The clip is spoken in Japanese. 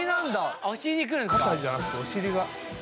肩じゃなくてお尻が。